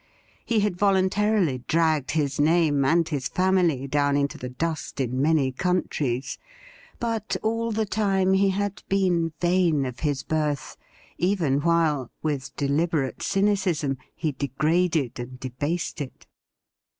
He had voluntarily dragged his name and his family down into the dust in many countries ; but all the time he had been vain of his birth, even while, with deliberate cynicism, he degraded and debased it.